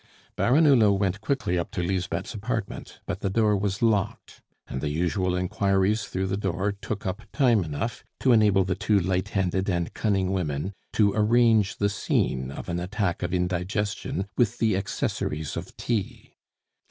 Baron Hulot went quickly up to Lisbeth's apartment, but the door was locked, and the usual inquiries through the door took up time enough to enable the two light handed and cunning women to arrange the scene of an attack of indigestion with the accessories of tea.